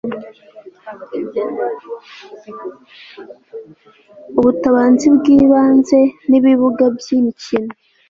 ubutabazi bw ibanze n ibibuga by imikino